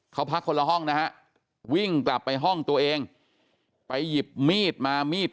เขาพักคนละห้องนะฮะวิ่งกลับไปห้องตัวเองไปหยิบมีดมามีด